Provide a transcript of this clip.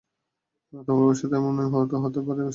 তোমার ভবিষ্যত এমনিতেও ভারি বিষাদময়।